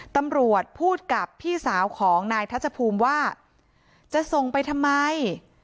ตำรวจพูดกับพี่สาวของนายทัชภูมิว่าจะส่งไปทำไม